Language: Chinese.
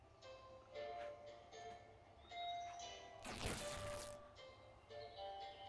仅有三式指挥连络机一种。